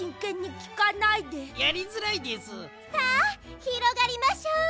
さあひろがりましょう。